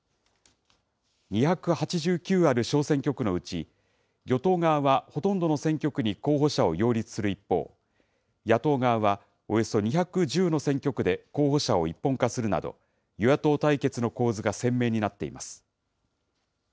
２８９ある小選挙区のうち、与党側はほとんどの選挙区に候補者を擁立する一方、野党側はおよそ２１０の選挙区で候補者を一本化するなど、与野党対決の構図が鮮明になっています。